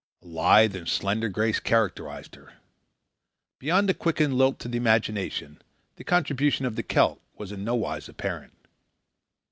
A lithe and slender grace characterized her. Beyond a quickened lilt to the imagination, the contribution of the Celt was in no wise apparent.